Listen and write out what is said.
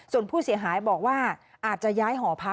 ส่วนผู้เสียหายบอกว่าอาจจะย้ายหอพัก